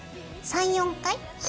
３４回。